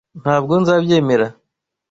Ntabwo nzabyemera.